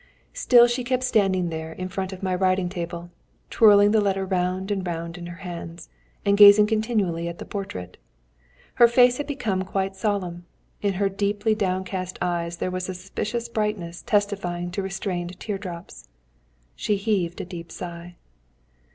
Still she kept standing there in front of my writing table, twirling the letter round and round in her hands, and gazing continually at the portrait. Her face had become quite solemn. In her deeply downcast eyes there was a suspicious brightness testifying to restrained tear drops. She heaved a deep sigh.